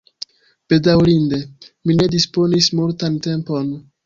Bedaŭrinde, mi ne disponis multan tempon.